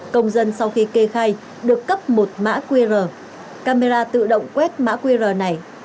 công dân sau khi kê khai được cấp một mã qr camera tự động quét mã qr này